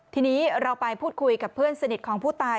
ทีนี้เราไปพูดคุยกับเพื่อนสนิทของผู้ตาย